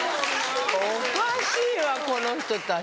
おかしいわこの人たち。